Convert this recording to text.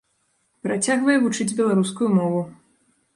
Працягвае вучыць беларускую мову.